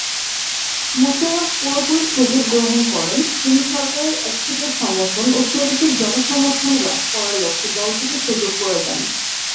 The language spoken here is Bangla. মোশাররফ পুরোপুরি সুযোগ গ্রহণ করেন, তিনি সরকারের একচেটিয়া সমর্থন ও শরীফের জনসমর্থন হ্রাস করার লক্ষ্যে দলটিকে সুযোগ করে দেন।